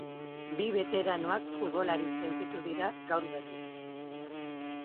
Bi beteranoak futbolari sentitu dira gaur berriz.